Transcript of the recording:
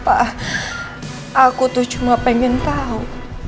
pak aku tuh cuma pengen tau